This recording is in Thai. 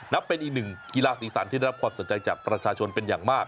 นับเป็นอีกหนึ่งกีฬาสีสันที่ได้รับความสนใจจากประชาชนเป็นอย่างมาก